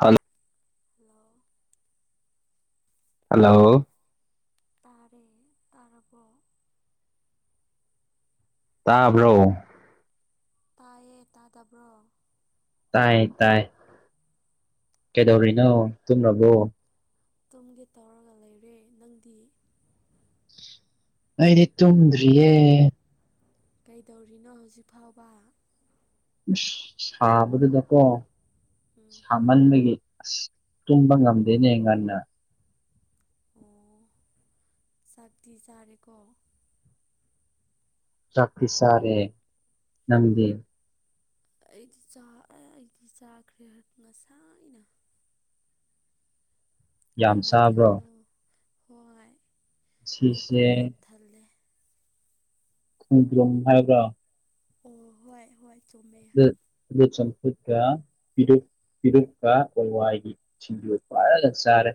ꯍꯜ hello hello ꯇꯥꯔꯦ ꯇꯥꯔꯕꯣ ꯇꯥꯕ꯭ꯔꯣ ꯇꯥꯏꯌꯦ ꯇꯥꯗꯕ꯭ꯔꯣ ꯇꯥꯏꯌꯦ ꯇꯥꯏ ꯀꯩꯗꯧꯔꯤꯅꯣ ꯇꯨꯝꯔꯕꯣ ꯇꯨꯝꯒꯦ ꯇꯧꯔꯒ ꯂꯩꯔꯦ ꯅꯪꯗꯤ ꯑꯩꯗꯤ ꯇꯨꯝꯗꯔ꯭ꯤꯌꯦ ꯀꯩꯗꯧꯔꯤꯅꯣ ꯍꯧꯖꯤꯛꯐꯥꯎꯕ ꯏꯁ ꯁꯥꯕꯗꯨꯗꯀꯣ ꯎꯝ ꯁꯥ ꯃꯟꯕꯒꯤ ꯑꯁ ꯇꯨꯝꯕ ꯉꯝꯗꯦꯅꯦ ꯉꯟꯅ ꯑꯣ ꯆꯥꯛꯇꯤ ꯆꯥꯔꯦꯀꯣ ꯆꯥꯛ ꯇꯤ ꯆꯔꯦ ꯅꯥꯪꯗꯤ ꯑꯩꯗꯤ ꯆ ꯑꯩꯗꯤ ꯆꯥꯈ꯭ꯔꯦ ꯉꯥꯁꯥꯏꯅꯥ ꯌꯥꯝ ꯀꯩ ꯆꯥꯕ꯭ꯔꯣ ꯃꯊꯦꯜꯅꯣ ꯍꯏ ꯑꯩ ꯁꯤꯁꯦ ꯄꯨꯛ ꯌꯥꯝ ꯊꯜꯂꯦ ꯈꯣꯡꯗꯔꯨꯝ ꯍꯥꯏꯕꯔꯥ ꯑꯣ ꯍꯣꯏ ꯍꯣꯏ ꯆꯨꯨꯃꯦ ꯑꯗꯨ ꯑꯗꯨ ꯆꯝꯐꯨꯠꯀ ꯄꯤꯔꯨꯛ ꯄꯤꯔꯨꯛꯀ ꯍꯋꯥꯏꯒꯤ ꯁꯤꯡꯖꯨ ꯐꯖꯅ ꯆꯥꯔꯦ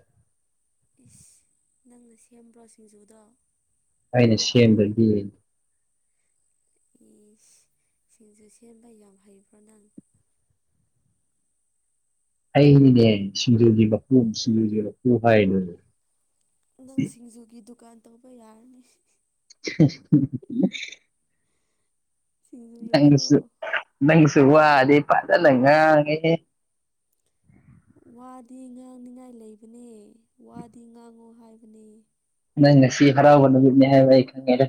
ꯏꯁ ꯅꯪꯅ ꯁꯦꯝꯕ꯭ꯔꯣ ꯁꯤꯡꯖꯨꯗꯣ ꯑꯩꯅ ꯁꯦꯝꯗꯔꯥꯗꯤ ꯏꯁ ꯁꯤꯡꯖꯨ ꯁꯦꯝꯕ ꯌꯥꯝ ꯍꯩꯕ꯭ꯔꯣ ꯅꯪ ꯑꯩꯅꯤꯅꯦ ꯁꯤꯡꯖꯨꯒꯤ ꯃꯄꯨ ꯁꯤꯡꯖꯨꯒꯤ ꯃꯄꯨ ꯍꯥꯏꯔꯤꯗꯣ ꯅꯪ ꯁꯤꯡꯖꯨꯒꯤ ꯗꯨꯀꯥꯟ ꯇꯧꯕ ꯌꯥꯔꯅꯤ [unintelligible] ꯁꯤꯡꯖꯨ ꯌꯣꯜꯂꯣ ꯅꯪꯒꯤꯁꯨ ꯅꯪꯒꯤꯁꯨ ꯋꯥꯗꯤ ꯐꯖꯅ ꯉꯥꯡꯉꯦꯍꯦ ꯋꯥꯗꯤ ꯉꯥꯡꯅꯤꯡꯉꯥꯏ ꯂꯩꯕꯅꯦ ꯋꯥꯗꯤ ꯉꯥꯡꯉꯣ ꯍꯥꯏꯕꯅꯦ ꯅꯪ ꯉꯁꯤ ꯍꯔꯥꯎꯕ ꯅꯨꯃꯤꯠꯅꯦ ꯍꯥꯢꯕ ꯑꯩ ꯈꯪꯉꯦꯗ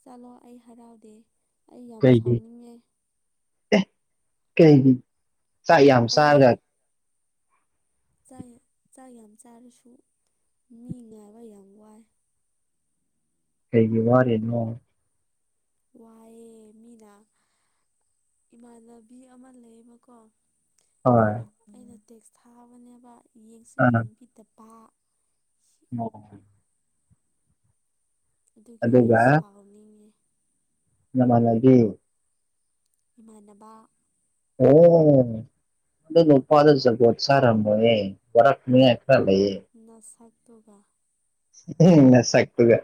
ꯆꯠꯂꯣ ꯑꯩ ꯍꯔꯥꯎꯗꯦ ꯑꯩ ꯌꯥꯝ ꯁꯥꯎꯅꯤꯡꯉꯦ ꯑꯦ ꯀꯩꯒꯤ ꯆꯥꯛ ꯌꯥꯝ ꯑꯩ ꯆꯥꯔꯒ ꯆꯥꯛ ꯆꯥꯛ ꯌꯥꯝ ꯆꯥꯔꯁꯨ ꯃꯤ ꯉꯥꯏꯕ ꯌꯥꯝ ꯋꯥꯏ ꯀꯩꯒꯤ ꯋꯥꯔꯤꯅꯣ ꯋꯥꯏꯌꯦ ꯃꯤꯅ ꯏꯃꯥꯟꯅꯕꯤ ꯑꯃ ꯂꯩꯌꯦꯕꯥꯀꯣ ꯍꯣꯏ ꯑꯩꯅ ꯇꯦꯛꯁ ꯊꯥꯕꯅꯦꯕ ꯌꯦꯡꯁꯨ ꯑꯥ ꯌꯦꯡꯕꯤꯗꯕ ꯑꯣ ꯑꯗꯨꯒꯤ ꯑꯩ ꯑꯗꯨꯒ ꯁꯥꯎꯅꯤꯡꯉꯦ ꯅꯃꯥꯟꯅꯕꯤ ꯏꯃꯥꯟꯅꯕ ꯑꯣ ꯑꯗꯨ ꯅꯨꯄꯥꯗꯣ ꯖꯨꯒꯣꯠ ꯆꯥꯔꯝꯃꯣꯢꯌꯦ ꯋꯥꯔꯛꯅꯤꯉꯥꯢ ꯈꯔ ꯂꯩꯌꯦ ꯅꯁꯛꯇꯨꯒ ꯎꯝ ꯅꯁꯛꯇꯨꯒ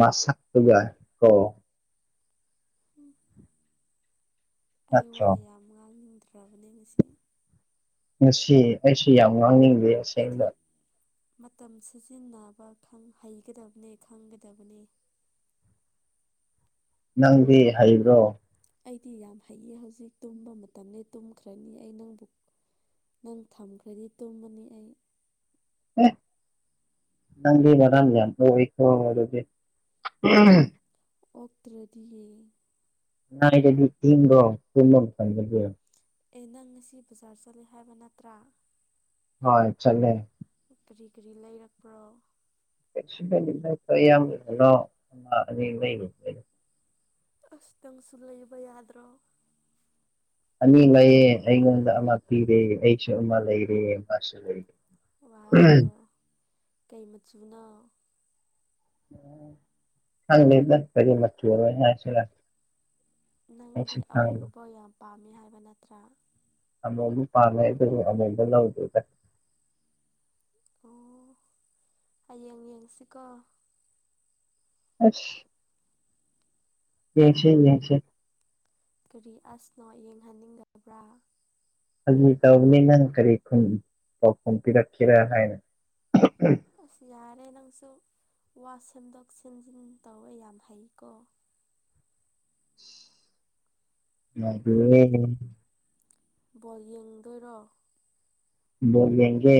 ꯃꯁꯛꯇꯨꯒ ꯀꯣ ꯑꯩ ꯋꯥ ꯅꯠꯇ꯭ꯔꯣ ꯌꯥꯝ ꯉꯥꯡꯅꯤꯡꯗ꯭ꯔꯕꯅꯦ ꯉꯁꯤ ꯉꯁꯤ ꯑꯩꯁꯨ ꯌꯥꯝ ꯉꯥꯡꯅꯤꯡꯗꯦ ꯍꯥꯏꯗꯤ ꯑꯁꯦꯡꯕ ꯃꯇꯝ ꯁꯤꯖꯤꯟꯅꯕ ꯈꯥꯪ ꯍꯩꯒꯗꯕꯅꯤ ꯈꯪꯒꯗꯕꯅꯦ ꯅꯪꯗꯤ ꯍꯩꯕ꯭ꯔꯣ ꯑꯩꯗꯤ ꯌꯥꯝ ꯍꯩꯌꯦ ꯍꯧꯖꯤꯛ ꯇꯨꯝꯕ ꯃꯇꯝꯅꯤ ꯇꯨꯝꯈ꯭ꯔꯅꯤ ꯑꯩ ꯅꯪꯕꯨ ꯅꯪ ꯊꯝꯈ꯭ꯔꯗꯤ ꯇꯨꯝꯃꯅꯤ ꯑꯩ ꯑꯦ ꯅꯪꯗꯤ ꯃꯔꯝ ꯌꯥꯝ ꯃꯣꯛꯏꯀꯣ ꯑꯗꯨꯗꯤ ꯑꯣꯛꯇ꯭ꯔꯗꯤ ꯉꯥꯢꯗꯗꯤ ꯏꯡꯕꯔꯣ ꯇꯨꯝꯕ ꯃꯇꯝꯗꯗꯤ ꯑꯦ ꯅꯪ ꯉꯁꯤ ꯕꯖꯥꯔ ꯆꯠꯂꯦ ꯍꯥꯏꯕ ꯅꯠꯇ꯭ꯔꯥ ꯍꯣꯏ ꯆꯠꯂꯦ ꯀꯔꯤ ꯀꯔꯤ ꯂꯩꯔꯛꯄ꯭ꯔꯣ ꯀꯩꯁꯨ [unintelligible] ꯑꯃ ꯑꯅꯤ ꯂꯩꯔꯨꯝꯅꯤ ꯑꯁ ꯅꯪꯁꯨ ꯂꯩꯕ ꯌꯥꯗ꯭ꯔꯣ ꯑꯅꯤ ꯂꯩꯌꯦ ꯑꯩꯉꯣꯟꯗ ꯑꯃ ꯄꯤꯔꯦ ꯑꯩꯁꯨ ꯑꯃ ꯂꯩꯔꯦ ꯃꯥꯁꯨ ꯂꯩꯔꯦ ꯋꯥꯎ ꯀꯩ ꯃꯆꯨꯅꯣ ꯈꯪꯗꯦꯗ ꯀꯔꯤ ꯃꯆꯨꯅꫭ ꯍꯥꯏꯁꯤꯔ ꯑꯩꯁꯨ ꯅꯪꯗꯤ ꯈꯪꯗꯦ ꯑꯃꯨꯕ ꯌꯥꯝ ꯄꯥꯝꯃꯤ ꯍꯥꯏꯕ ꯅꯠꯇ꯭ꯔꯥ ꯑꯃꯨꯕ ꯄꯥꯝꯃꯦ ꯑꯗꯨꯕꯨ ꯑꯃꯨꯕ ꯂꯧꯗꯦꯗ ꯑꯣ ꯍꯌꯦꯡ ꯌꯦꯡꯁꯤꯀꯣ ꯑꯁ ꯌꯦꯡꯁꯤ ꯌꯦꯡꯁꯤ ꯀꯔꯤ ꯑꯁꯅꯣ ꯌꯦꯡꯍꯟꯅꯤꯡꯗꯕ꯭ꯔꯥ ꯐꯒꯤ ꯇꯧꯕꯅꯤ ꯅꯪ ꯀꯔꯤ ꯈꯨꯝ ꯄꯥꯎꯈꯨꯝ ꯄꯤꯔꯛꯀꯦꯔꯥ ꯍꯥꯏꯅ ꯑꯁ ꯌꯥꯔꯦ ꯅꯪꯁꯨ ꯋꯥ ꯁꯦꯝꯗꯣꯛ ꯁꯦꯝꯖꯤꯟ ꯇꯧꯋꯦ ꯌꯥꯝ ꯍꯩꯀꯣ ꯌꯥꯗꯤꯌꯦ ꯕꯣꯜ ꯌꯦꯡꯗꯣꯏꯔꯣ ꯕꯣꯜ ꯌꯦꯡꯒꯦ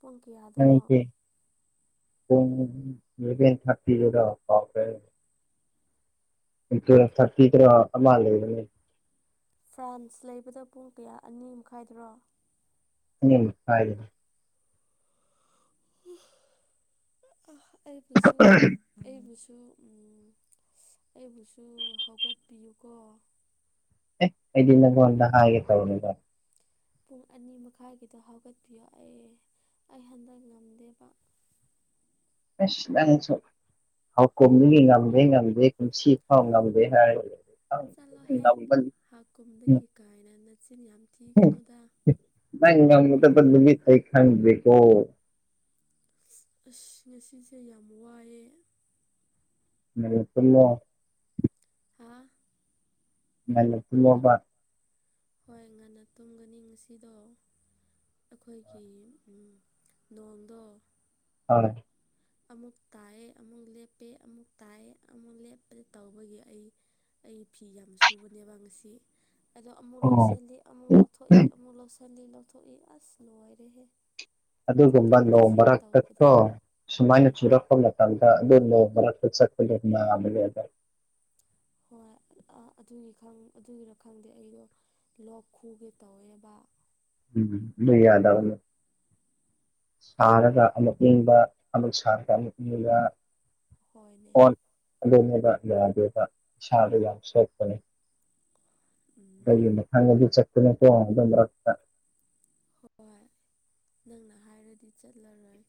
ꯄꯨꯡ ꯀꯌꯥ ꯈꯪꯗꯦ ꯄꯨꯡ ꯏꯂꯕꯦꯟꯊꯔꯇꯤꯒꯤꯗꫭ ꯀꯥꯎꯈ꯭ꯔꯦ ꯎꯝ ꯇꯨꯋꯦꯞꯊꯔꯇꯤꯗꯔꫭ ꯑꯃ ꯂꯩꯕꯅꯦ ꯐ꯭ꯔꯥꯟꯁ ꯂꯩꯕꯗꫭ ꯄꯨꯡ ꯀꯌꯥ ꯑꯅꯤꯃꯈꯥꯏꯗꯔꯣ ꯑꯅꯤꯃꯈꯥꯏꯗꯅꯤ ꯑꯩꯕꯨꯁꯨ ꯑꯩꯕꯨꯁꯨ ꯎꯝ ꯑꯩꯕꯨꯁꯨ ꯍꯧꯒꯠꯄꯤꯌꯨꯀꯣ ꯑꯦꯑꯩꯗꯤ ꯅꯉꫭꯟꯗ ꯍꯥꯏꯒꯦ ꯇꯧꯔꯒ ꯄꯨꯡ ꯑꯅꯤ ꯃꯈꯥꯏꯒꯤꯗꯣ ꯍꯧꯒꯠꯄꯤꯌꯣ ꯑꯦ ꯑꯩ ꯍꯟꯗꯛ ꯉꯝꯗꯦꯕ ꯑꯩꯁ ꯅꯪꯁꯨ ꯍꯥꯎ ꯀꯨꯝꯗꯒꯤ ꯉꯝꯗꯦ ꯉꯝꯗꯦ ꯀꯨꯝꯁꯤꯐꯥꯎ ꯉꯝꯗꯦ ꯍꯥꯏꯔꯒ ꯂꯩ ꯆꯠꯂꯣꯍꯦ ꯉꯝꯕ ꯍꯥꯥꯛ ꯀꯨꯝꯗꯒꯤ ꯀꯥꯏꯅ ꯅꯆꯤꯟ ꯌꯥꯝ ꯊꯤꯒꯅꯨꯗ ꯅꯪ ꯉꯝꯒꯗꯕ ꯅꯨꯃꯤꯠ ꯑꯩ ꯈꯪꯗ꯭ꯔꯦꯀꯣ ꯑꯁ ꯉꯁꯤꯁꯦ ꯌꯥꯝ ꯋꯥꯏꯌꯦ ꯉꯟꯅ ꯇꯨꯝꯃꫭ ꯍꯥꯥ ꯉꯟꯅ ꯇꯨꯝꯃꫭꯕ ꯍꯣꯏ ꯉꯟꯅ ꯇꯨꯝꯒꯅꯤ ꯉꯁꯤꯗꯣ ꯑꯩꯈꯣꯏꯒꯤ ꯎꯝ ꯅꯣꯡꯗꯣ ꯑꯥ ꯑꯃꯨꯛ ꯇꯥꯏꯌꯦ ꯑꯃꯨꯛ ꯂꯦꯞꯄꯦ ꯑꯃꯨꯛ ꯇꯥꯏꯌꯦ ꯑꯃꯨꯛ ꯂꯦꯞꯄ ꯇꯧꯕꯒꯤ ꯑꯩ ꯑꯩ ꯐꯤ ꯌꯥꯝ ꯁꯨꯕꯅꯦꯕ ꯉꯁꯤ ꯑꯗꯣ ꯑꯃꯨꯛ ꯑꯣ ꯂꯧꯁꯤꯜꯂꯤ ꯑꯃꯨꯛ ꯂꯧ ꯊꯣꯛꯏ ꯑꯃꯨꯛ ꯂꯧꯁꯜꯂꯤ ꯂꯧꯊꯣꯛꯏ ꯑꯁ ꯂꯣꯏꯔꯦꯍꯦ ꯑꯗꯨꯒꯨꯝꯕ ꯆꯠꯊꯣꯛ ꯅꯣꯡ ꯆꯠꯁꯤꯟ ꯇꯧꯕꯗ ꯃꯔꯛꯇꯠꯇꫭ ꯎꯝ ꯁꯨꯃꯥꯏꯅ ꯆꯨꯔꯛꯄ ꯃꯇꯝꯗ ꯑꯗꯨ ꯅꯣꯡ ꯃꯔꯛꯇ ꯆꯠꯄꯗꫭ ꯅꯥꯥꯕꯅꯦꯕ ꯍꯣꯏ ꯑꯗꯨꯒꯤ ꯈꯪ ꯑꯗꯨꯒꯤꯔ ꯈꯪꯗꯦ ꯑꯩꯗꯣ ꯂꯣꯛ ꯈꯨꯒꯦ ꯇꯧꯋꯦꯕ ꯎꯝ ꯑꯗꯨ ꯌꯥꯗꯕꯅꯦ ꯁꯥꯔꯒ ꯑꯃꯨꯛ ꯏꯪꯕ ꯑꯃꯨꯛ ꯁꯥꯔꯒ ꯑꯃꯨꯛ ꯏꯪꯕ ꯍꯣꯏꯅꯦ꯫ ꯐꯣꯟ ꯑꯗꯨꯅꯦꯕ ꯌꯥꯗꯦꯕ ꯏꯁꯥꯗꯨ ꯌꯥꯝ ꯁꯣꯛꯄꯅꯦ꯫ ꯎꯝ ꯑꯈꯣꯏꯒꯤ ꯃꯊꯪꯗꯗꯤ ꯆꯠꯀꯅꯨꯀꯣ ꯑꯗꯨ ꯃꯔꯛꯇ꯫ ꯍꯣꯏ ꯅꯪꯅ ꯍꯥꯏꯔꯗꯤ ꯆꯠꯂꯔꯣꯏ꯫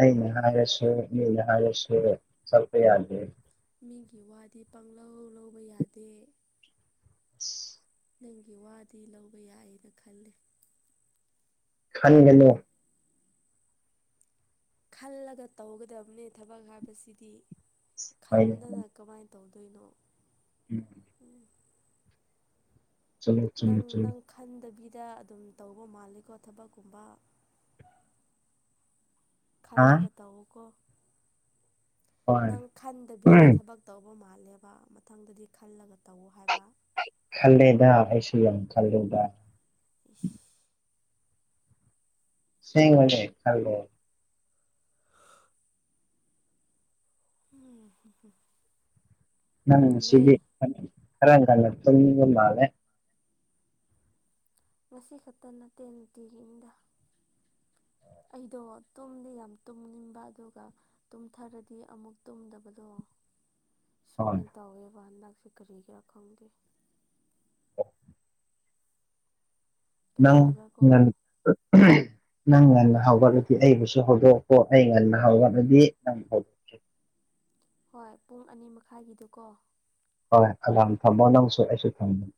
ꯑꯩꯅ ꯍꯥꯏꯔꯁꯨ ꯃꯤꯅ ꯍꯥꯏꯔꯁꯨ ꯆꯠꯄ ꯌꯥꯗꯦ꯫ ꯃꯤꯒꯤ ꯋꯥꯗꯤ ꯄꯥꯡꯂꯧ ꯂꯧꯕ ꯌꯥꯗꯦ꯫ ꯏꯁ꯫ ꯅꯪꯒꯤ ꯋꯥꯗꯤ ꯂꯧꯕ ꯌꯥꯏꯌꯦꯅ ꯈꯜꯂꯦ꯫ ꯈꯟꯒꯅꯨ꯫ ꯈꯜꯂꯒ ꯇꯧꯒꯗꯕꯅꯦ ꯊꯕꯛ ꯍꯥꯏꯕꯁꯤꯗꯤ ꯍꯥꯏꯅ ꯈꯟꯗꯅ ꯀꯃꯥꯏꯅ ꯇꯧꯗꯣꯏꯅꯣ꯫ ꯎꯝ꯫ ꯆꯨꯝꯃꯤ ꯆꯨꯝꯃꯤ ꯅꯪ ꯆꯨꯝꯃꯤ ꯅꯪ ꯈꯟꯗꯕꯤꯗ ꯑꯗꯨꯝ ꯇꯧꯕ ꯃꯥꯜꯂꯦꯀꯣ ꯊꯕꯛꯀꯨꯝꯕ꯫ ꯍꯥ ꯈꯜꯂꯒ ꯇꯧꯋꯣꯀꯣ ꯍꯣꯏ ꯅꯪ ꯈꯟꯗꯕꯤꯗ ꯊꯕꯛ ꯇꯧꯕ ꯃꯥꯜꯂꯦꯕ ꯃꯊꯪꯗꯗꯤ ꯈꯜꯂꯒ ꯇꯧꯋꯣ ꯍꯥꯏꯕ꯫ ꯈꯜꯂꯦꯗ ꯑꯩꯁꯨ ꯌꯥꯝ ꯈꯜꯂꯦꯗ꯫ ꯏꯁ꯫ ꯑꯁꯦꯡꯕꯅꯦ ꯈꯜꯂꯦ꯫ [unintelligible] ꯎꯝ ꯍꯨꯝꯍꯨꯝ꯫ ꯅꯪ ꯉꯁꯤꯒꯤ ꯈꯔ ꯉꯥꯜꯅ ꯇꯨꯝꯅꯤꯡꯕ ꯃꯥꯜꯂꯦ꯫ ꯉꯁꯤ ꯈꯛꯇ ꯅꯠꯇꯦ ꯅꯨꯡꯇꯤꯒꯤꯅꯤꯗ꯫ ꯑꯩꯗꯣ ꯇꯨꯝꯗꯤ ꯌꯥꯝ ꯇꯨꯝꯅꯤꯡꯕ ꯑꯗꯨꯒ ꯇꯨꯝꯊꯔꯗꯤ ꯑꯃꯨꯛ ꯇꯨꯝꯗꯕꯗꯣ꯫ [inaudible] ꯁꯨꯃꯥꯏꯅ ꯇꯧꯋꯦꯕ ꯍꯟꯗꯛꯁꯦ ꯀꯔꯤꯒꯤꯔ ꯈꯪꯗꯦ꯫ ꯅꯪ ꯀꯔꯤꯒꯤꯔꯀꯣ ꯅꯪ ꯎꯝꯍ꯫ ꯅꯪ ꯉꯟꯅ ꯍꯧꯒꯠꯂꯗꯤ ꯑꯩꯕꯨꯁꯨ ꯍꯧꯗꯣꯛꯀꯣ ꯑꯩ ꯉꯟꯅ ꯍꯧꯒꯠꯂꯗꯤ ꯅꯪꯕꯨ ꯍꯧꯗꯣ꯫ ꯍꯣꯏ ꯄꯨꯡ ꯑꯅꯤ ꯃꯈꯥꯏꯒꯤꯗꯨꯀꯣ꯫ ꯍꯣꯏ ꯑꯦꯂꯝ ꯊꯝꯃꯣ ꯅꯪꯁꯨ ꯑꯩꯁꯨ ꯊꯝꯅꯤ꯫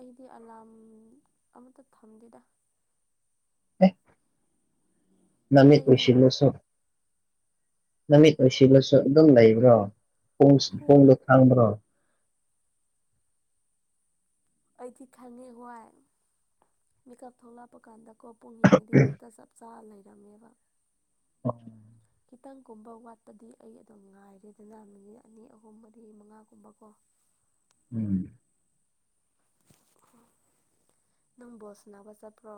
ꯑꯩꯗꯤ ꯑꯦꯂꯥꯝ ꯑꯃꯇ ꯊꯝꯗꯦꯗ꯫ ꯑꯦ ꯅꯃꯤꯠ ꯑꯩꯗꯤ ꯎꯏꯁꯤꯜꯂꯥꯁꯨ ꯅꯨꯃꯤꯠ ꯎꯏꯁꯤꯂꯥꯁꯨ ꯑꯗꯨꯝ ꯂꯩꯕ꯭ꯔꯣ ꯄꯨꯡ ꯍꯣꯏ ꯄꯣꯡꯗꯣ ꯈꯪꯕ꯭ꯔꯣ? ꯑꯩꯗꯤ ꯈꯪꯉꯦ ꯍꯣꯏ ꯃꯤꯀꯞ ꯊꯣꯛꯂꯛꯄ ꯀꯥꯟꯗꯀꯣ ꯄꯨꯡ ꯌꯦꯡꯉꯗꯤ ꯍꯦꯛꯇ ꯆꯞ ꯆꯥ ꯂꯩꯔꯝꯃꯦꯕ꯫ ꯎꯝ꯫ ꯈꯤꯇꯪꯒꯨꯝꯕ ꯋꯥꯠꯄꯗꯤ ꯑꯩ ꯑꯗꯨꯝ ꯉꯥꯏꯔꯦꯗꯅ ꯃꯤꯅꯤꯠ ꯑꯅꯤ ꯑꯍꯨꯝ ꯃꯔꯤ ꯃꯉꯥꯒꯨꯝꯕꯀꯣ꯫ ꯎꯝ꯫ ꯅꯪ ꯕꯣꯜ ꯁꯅꯥꯕ ꯆꯠꯄ꯭ꯔꯣ?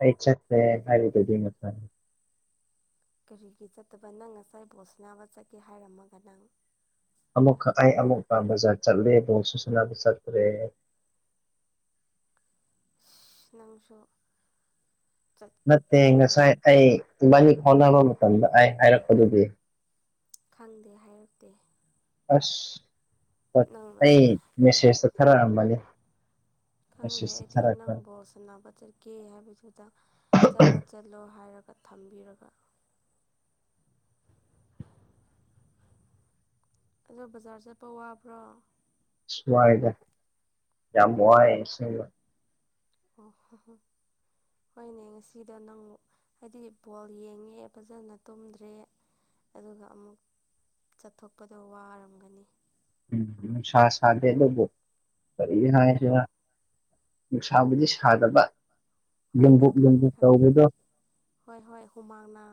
ꯑꯩ ꯆꯠꯇꯦ ꯍꯥꯏꯔꯒꯗꯤ ꯃꯇꯝ꯫ ꯀꯔꯤꯒꯤ ꯆꯠꯇꯕ ꯅꯪ ꯉꯁꯥꯏ ꯕꯣꯜ ꯁꯥꯅꯥꯕ ꯆꯠꯀꯦ ꯍꯥꯏꯔꯝꯃꯒ ꯅꯪ꯫ ꯑꯃꯨꯛꯈ ꯑꯩ ꯑꯃꯨꯛꯀ ꯕꯖꯥꯔ ꯆꯠꯂꯦ ꯕꯣꯜꯁꯨ ꯁꯅꯥꯕ ꯆꯠꯇ꯭ꯔꯦ꯫ ꯅꯪꯁꯨ꯫ ꯆꯠꯈꯤ ꯅꯠꯇꯦ ꯅꯪ ꯉꯁꯥꯏ ꯑꯩ ꯏꯕꯥꯅꯤ ꯈꯥꯎꯅꯕ ꯃꯇꯝꯗ ꯑꯩ ꯍꯥꯏꯔꯛꯄꯗꯨꯗꯤ꯫ ꯈꯪꯗꯦ ꯍꯥꯏꯔꯛꯇꯦ꯫ ꯑꯁ ꯅꯪꯅ ꯑꯩ ꯃꯦꯁꯦꯁꯇ ꯈꯔꯑꯃꯅꯦ ꯈꯪꯗꯦ ꯑꯩꯗꯤ ꯅꯪ ꯕꯣꯜ ꯁꯥꯟꯅꯕ ꯆꯠ ꯀꯦ ꯍꯥꯏꯕꯗꯨꯗ ꯆꯠꯂꯣ ꯆꯠꯂꯣ ꯍꯥꯏꯔꯒ ꯊꯝꯕꯤꯔꯒ [inaudible] ꯑꯗꯣ ꯕꯖꯥꯔ ꯆꯠꯄ ꯋꯥꯕ꯭ꯔꯣ? ꯋꯥꯏꯗ ꯌꯥꯝ ꯋꯥꯏ ꯑꯁꯦꯡꯕ ꯑꯣ ꯍꯣ ꯍꯣ ꯍꯣꯏꯅꯦ ꯉꯁꯤꯗꯣ ꯅꯪ ꯍꯥꯏꯗꯤ ꯕꯣꯜ ꯌꯦꯡꯉꯦ ꯐꯖꯅ ꯇꯨꯝꯗ꯭ꯔꯦ ꯑꯗꯨꯒ ꯑꯃꯨꯛ ꯆꯠꯊꯣꯛꯄꯗ ꯋꯥꯔꯝꯒꯅꯤ ꯎꯝ ꯅꯨꯡ ꯁꯥ ꯁꯥꯗꯦ ꯑꯗꯨꯕꯨ ꯀꯔꯤ ꯑꯣ ꯍꯥꯏꯁꯤꯔ ꯅꯨꯡꯁꯥꯕꯨꯗꯤ ꯁꯥꯗꯕ ꯍꯣꯏꯅꯦ ꯂꯨꯝꯕꯨꯛ ꯈꯪꯉꯦ ꯂꯨꯝꯕꯨꯛ ꯈꯪꯉꯦ ꯇꯧꯕꯗꯣ ꯍꯣꯏ ꯍꯣꯏ ꯍꯨꯃꯥꯡꯅ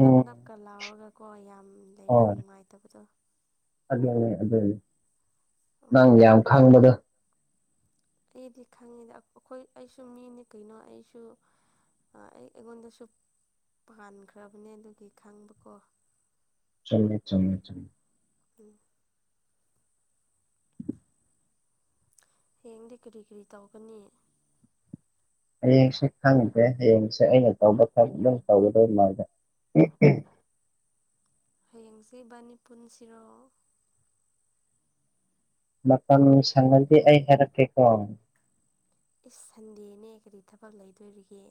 ꯅꯞ ꯅꯞ ꯀ ꯂꯥꯎꯔꯒꯀꯣ ꯌꯥꯝ ꯂꯩꯕ ꯅꯨꯡꯉꯥꯏꯇꯕꯗꯣ ꯑꯗꯨꯅꯦ ꯑꯗꯨꯅꯦ ꯅꯪ ꯑꯣ ꯌꯥꯝ ꯈꯪꯕꯗꯣ ꯑꯩꯗꯤ ꯈꯪꯉꯦꯗ ꯑꯩꯈꯣꯏ ꯑꯩꯁꯨ ꯃꯤꯅꯤ ꯀꯩꯅꯣ ꯑꯩꯁꯨ ꯑ ꯑꯩ ꯑꯩꯉꯣꯟꯗꯁꯨ ꯄꯥꯟꯈ꯭ꯔꯕꯅꯦ ꯑꯗꯨꯒꯤ ꯈꯪꯕꯀꯣ ꯆꯨꯝꯃꯦ ꯆꯨꯝꯃꯦ ꯆꯨꯝꯃꯦ ꯎꯝ ꯍꯌꯦꯡꯗꯤ ꯀꯔꯤ ꯀꯔꯤ ꯇꯧꯒꯅꯤ? ꯍꯌꯦꯡꯁꯦ ꯈꯪꯗ꯭ꯔꯦ ꯍꯌꯦꯡꯁꯦ ꯑꯩꯅ ꯇꯧꯕ ꯈꯛ ꯑꯗꯨꯝ ꯇꯧꯒꯗꯧ ꯃꯥꯜꯂꯦ ꯍꯌꯦꯡꯁꯦ ꯏꯕꯥꯅꯤ ꯄꯨꯟꯁꯤꯔꯣ ꯃꯇꯝ ꯁꯪꯉꯗꯤ ꯑꯩ ꯍꯥꯏꯔꯛꯀꯦꯀꯣ ꯏꯁ ꯁꯟꯗꯦꯅꯦ ꯀꯔꯤ ꯊꯕꯛ ꯂꯩꯗꯣꯔꯤꯒꯦ꯫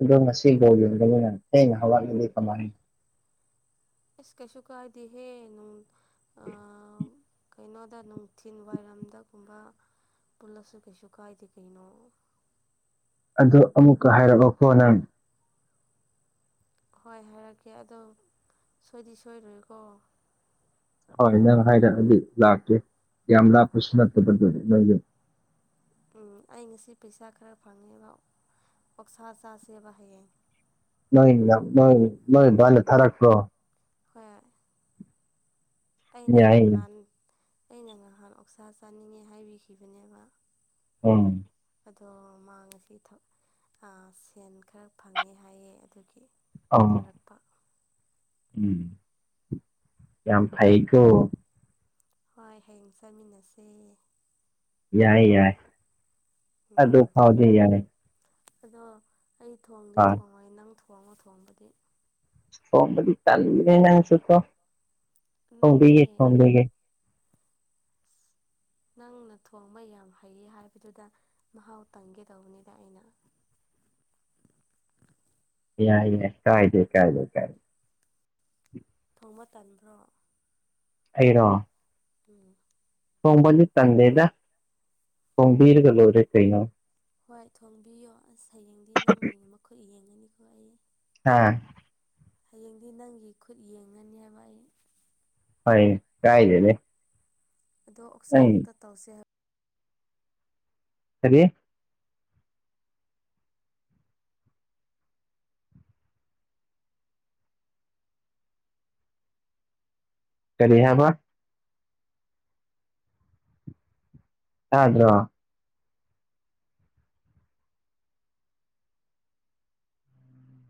ꯑꯗꯣ ꯉꯁꯤ ꯕꯣꯜ ꯌꯣꯟꯕꯅꯤꯅꯥ ꯊꯦꯡꯅ ꯍꯋꯥꯠꯂꯗꯤ ꯀꯃꯥꯏꯅ ꯏꯁ ꯀꯩꯁꯨ ꯀꯥꯏꯗꯦ ꯍꯦ ꯅꯨꯡ ꯑꯥꯝ ꯀꯩꯅꯣꯗ ꯅꯨꯡꯊꯤꯜ ꯋꯥꯏꯔꯝꯗꯒꯨꯝꯕ ꯄꯨꯜꯂꯁꯨ ꯀꯩꯁꯨ ꯀꯥꯏꯗꯦ ꯀꯩꯅꯣ ꯑꯗꯣ ꯑꯃꯨꯛꯀ ꯍꯥꯏꯔꯛꯑꯣꯀꯣ ꯅꯪ꯫ ꯍꯣꯏ ꯍꯥꯏꯔꯛꯀꯦ ꯑꯗꯣ ꯁꯣꯏꯗꯤ ꯁꯣꯏꯔꯣꯏꯀꯣ꯫ ꯍꯣꯏ ꯅꯪ ꯍꯥꯏꯔꯛꯑꯗꯤ ꯂꯥꯛꯀꯦ ꯌꯥꯝ ꯂꯥꯞꯄꯁꯨ ꯅꯠꯇꯕꯗ ꯅꯣꯏ ꯌꯨꯝ꯫ ꯎꯝ ꯑꯩ ꯉꯁꯤ ꯄꯩꯁꯥ ꯈꯔ ꯐꯪꯉꯦꯕ ꯑꯣꯛꯁꯥ ꯆꯥꯁꯦꯕ ꯍꯌꯦꯡ꯫ ꯅꯣꯏ ꯅꯣꯏ ꯅꯣꯏ ꯕꯥꯅ ꯊꯥꯔꯛꯄ꯭ꯔꯣ ꯍꯣꯏ ꯑꯩꯅ ꯌꯥꯏ ꯉꯍꯥꯟ ꯑꯩꯅ ꯉꯍꯥꯟ ꯑꯣꯛꯁꯥ ꯆꯥꯅꯤꯡꯉꯦ ꯍꯥꯏꯕꯤꯈꯤꯕꯅꯦꯕ꯫ ꯎꯝ ꯑꯗꯣ ꯃꯥ ꯉꯁꯤ ꯊ ꯑ ꯁꯦꯟ ꯈꯔ ꯐꯪꯉꯦ ꯍꯥꯏꯌꯦ ꯑꯗꯨꯒꯤ꯫ ꯑ ꯊꯥꯔꯛꯄ ꯎꯝ ꯌꯥꯝ ꯐꯩꯀꯣ꯫ ꯍꯣꯏ ꯍꯌꯦꯡ ꯆꯃꯤꯟꯅꯁꯦ꯫ ꯌꯥꯏ ꯌꯥꯏ ꯎꯝ ꯑꯗꯨ ꯐꯥꯎꯗꯤ ꯌꯥꯏ꯫ ꯑꯗꯣ ꯑꯩ ꯊꯣꯡꯗꯤ ꯑꯥ ꯊꯣꯡꯉꯣꯏ ꯅꯪ ꯊꯣꯡꯉꯣ ꯊꯣꯡꯕꯗꯤ ꯊꯣꯡꯕꯗꯤ ꯇꯜꯂꯦꯍꯦ ꯅꯪꯁꯨꯀꯣ ꯅꯠꯇꯦ ꯊꯣꯡꯕꯤꯒꯦ ꯊꯣꯡꯕꯤꯒꯦ꯫ ꯅꯪꯅ ꯊꯣꯡꯕ ꯌꯥꯝ ꯍꯩꯌꯦ ꯍꯥꯏꯕꯗꯨꯗ ꯃꯍꯥꯎ ꯇꯪꯒꯦ ꯇꯧꯕꯅꯤꯗ ꯑꯩꯅ꯫ ꯌꯥꯏ ꯌꯥꯏ ꯀꯥꯏꯗꯦ ꯀꯥꯏꯗꯦ ꯀꯥꯏꯗꯦ ꯊꯣꯡꯕ ꯇꯟꯕ꯭ꯔꯣ꯫ ꯑꯩꯔꯣ꯫ ꯎꯝ꯫ ꯊꯣꯡꯕꯗꯤ ꯇꯟꯗꯦꯗ ꯊꯣꯡꯕꯤꯔꯒ ꯂꯣꯏꯔꯦ ꯀꯩꯅꯣ꯫ ꯍꯣꯏ ꯊꯣꯡꯕꯤꯌꯣ ꯑꯁ ꯍꯌꯦꯡꯗꯤ ꯅꯪ ꯃꯈꯨꯠ ꯌꯦꯡꯉꯅꯤꯀꯣ ꯑꯩ꯫ ꯑꯥ꯫ ꯍꯌꯦꯡꯗꯤ ꯅꯪꯒꯤ ꯈꯨꯠ ꯌꯦꯡꯉꯥꯅꯤ ꯍꯥꯏꯕ ꯑꯩ꯫ ꯍꯣꯏ ꯀꯥꯏꯗꯦꯅꯦ꯫ ꯑꯗꯣ ꯑꯣꯛꯁꯥ ꯅꯪ ꯈꯛꯇ ꯇꯧꯁꯦ ꯍꯥꯏ꯫ ꯀꯔꯤ꯫ ꯀꯔꯤ ꯍꯥꯏꯕ꯫ ꯇꯗ꯭ꯔꯣ꯫